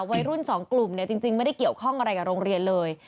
วัยรุ่นสองกลุ่มเนี่ยจริงไม่ได้เกี่ยวข้องอะไรกับโรงเรียนเลย